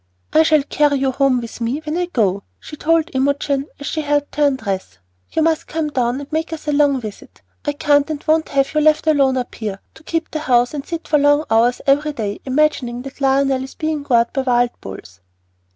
"I shall carry you home with me when I go," she told Imogen as she helped her undress. "You must come down and make us a good long visit. I can't and won't have you left alone up here, to keep the house and sit for hours every day imagining that Lionel is being gored by wild bulls."